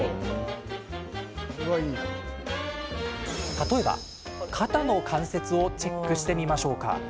例えば、肩の関節をチェックしてみましょうか。